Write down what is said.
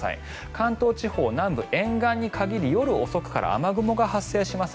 関東地方南部、沿岸に限り夜遅くから雨雲が発生します。